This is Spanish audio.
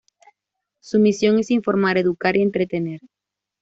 Su misión es informar, educar y entretener.